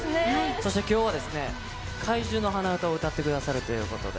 そして、きょうは、怪獣の鼻唄を歌ってくださるということで。